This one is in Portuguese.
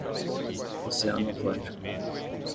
Oceano Atlântico.